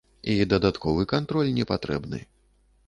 І дадатковы кантроль не патрэбны.